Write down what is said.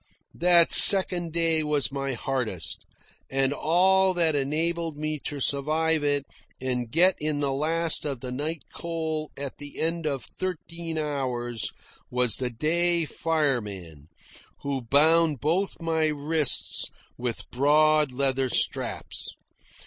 That second day was my hardest, and all that enabled me to survive it and get in the last of the night coal at the end of thirteen hours was the day fireman, who bound both my wrists with broad leather straps.